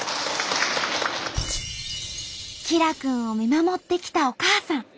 きらくんを見守ってきたお母さん。